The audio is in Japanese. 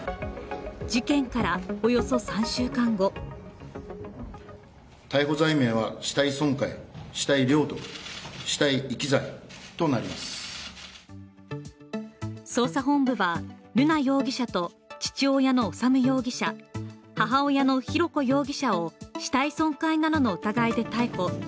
事件からおよそ３週間後捜査本部は瑠奈容疑者と父親の修容疑者母親の浩子容疑者を死体損壊などの疑いで逮捕。